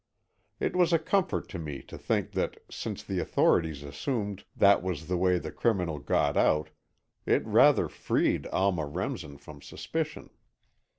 It was a comfort to me to think that, since the authorities assumed that was the way the criminal got out, it rather freed Alma Remsen from suspicion.